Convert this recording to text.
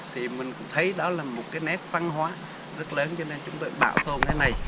thì mình cũng thấy đó là một cái nét văn hóa rất lớn cho nên chúng tôi bảo tồn cái này